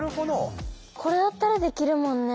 これだったらできるもんね。